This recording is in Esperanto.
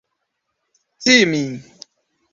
timi